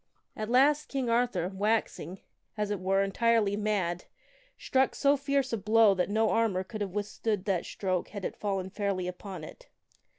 At last King Arthur, waxing, as it were, entirely mad, struck so fierce a blow that no armor could have withstood that stroke had it fallen fairly upon it.